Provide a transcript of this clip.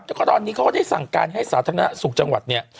แล้วก็ตอนนี้เขาก็ได้สั่งการให้สาธารณสุขจังหวัดเนี่ย